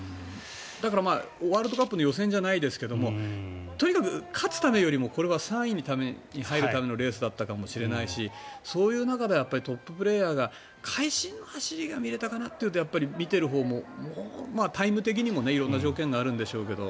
だから、ワールドカップの予選じゃないですがとにかく勝つためよりも３位に入るためのレースだったかもしれないしそういう中ではトッププレーヤーが会心の走りが見れたかなというと見てるほうもタイム的にも色んな条件があるんでしょうけど。